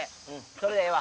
それでええわ。